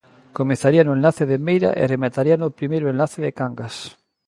Comezaría no enlace de Meira e remataría no primeiro enlace de Cangas.